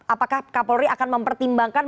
apakah kapolri akan mempertimbangkan